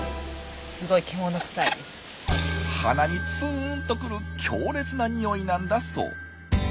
鼻につんと来る強烈な臭いなんだそう。